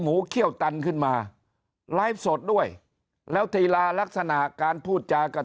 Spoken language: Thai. เขี้ยวตันขึ้นมาไลฟ์สดด้วยแล้วทีลาลักษณะการพูดจากับ